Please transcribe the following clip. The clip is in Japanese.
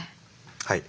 はい。